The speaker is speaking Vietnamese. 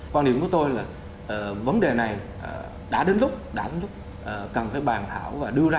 quan điểm của tôi là vấn đề này đã đến lúc đã cần phải bàn thảo và đưa ra